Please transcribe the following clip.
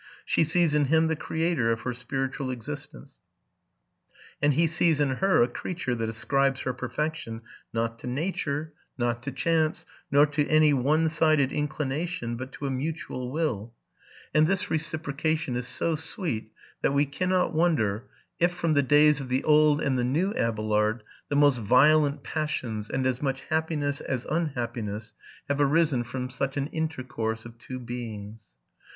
She sees in him the ereator of her spiritual existence; and he sees in her a creature that ascribes her perfection, not to nature, not to chance, nor to any one sided inclination, but to a mutual will: and this reciprocation is so sweet, that we cannot » wonder, if, from the days of the old and the new? Abelard, the most violent passions, and as much happiness as un happiness, have arisen from such an intercourse of two beings.